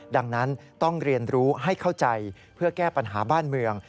ดังนั้นต้องเรียนรู้ให้เข้าใจเพื่อแก้ปัญหาบ้านเมือง